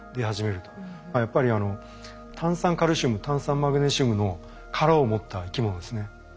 やっぱり炭酸カルシウム炭酸マグネシウムの殻を持った生き物ですね。